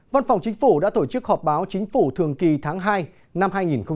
văn phòng chính phủ đã tổ chức họp báo chính phủ thường kỳ tháng hai năm hai nghìn hai mươi